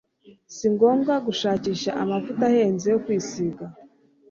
Si ngombwa gushakisha amavuta ahenze yo kwisiga